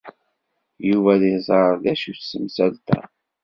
Yuba ad iẓer d acu-tt temsalt-a.